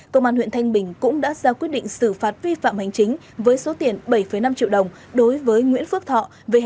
công an huyện thanh bình cũng đã ra quyết định xử phạt vi phạm hành chính với số tiền bảy năm triệu đồng đối với nguyễn phước thọ